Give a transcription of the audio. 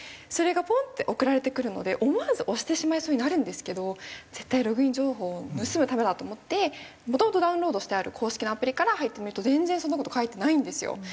それがポンッて送られてくるので思わず押してしまいそうになるんですけど絶対ログイン情報を盗むためだと思ってもともとダウンロードしてある公式のアプリから入ってみると全然そんな事書いてないんですよ。